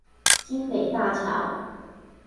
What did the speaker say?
新北大橋